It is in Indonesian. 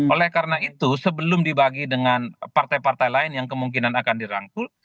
oleh karena itu sebelum dibagi dengan partai partai lain yang kemungkinan akan dirangkul